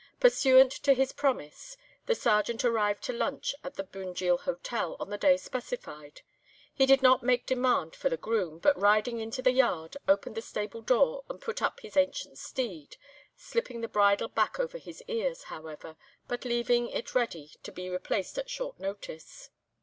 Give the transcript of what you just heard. Pursuant to his promise, the Sergeant arrived to lunch at the Bunjil Hotel on the day specified. He did not make demand for the groom, but riding into the yard, opened the stable door and put up his ancient steed, slipping the bridle back over his ears, however, but leaving it ready to be replaced at short notice.